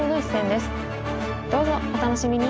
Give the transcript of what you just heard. どうぞお楽しみに！